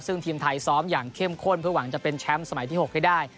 ซึ่งทีมไทยซ้อมอย่างเข้มข้นเพื่อหวังจะเป็นแชมป์สมัยที่๖ให้ได้